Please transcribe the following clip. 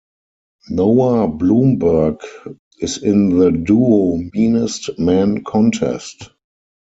Noah Blumberg is in the duo Meanest Man Contest.